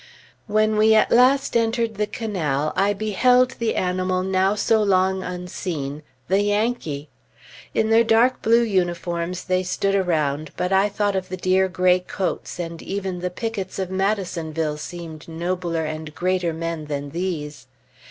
When we at last entered the canal, I beheld the animal now so long unseen, the Yankee. In their dark blue uniforms, they stood around, but I thought of the dear gray coats, and even the pickets of Madisonville seemed nobler and greater men than these.